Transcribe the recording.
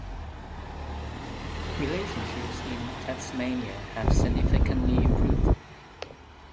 Relationships in Tasmania have significantly improved.